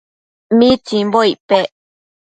¿mitsimbo icpec